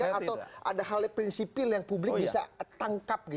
atau ada halnya prinsipil yang publik bisa tangkap gitu